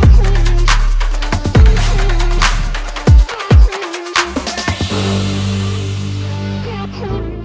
รถทดสอบ